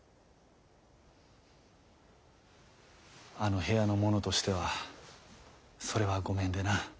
あの部屋の者としてはそれはごめんでな。